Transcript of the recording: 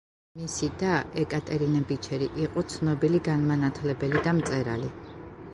მისი და ეკატერინე ბიჩერი, იყო ცნობილი განმანათლებელი და მწერალი.